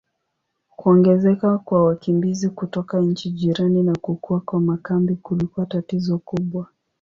Kuongezeka kwa wakimbizi kutoka nchi jirani na kukua kwa makambi kulikuwa tatizo kubwa.